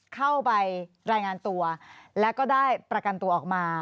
เข้าไปรายงานตัวแล้วก็ได้ประกันตัวออกมา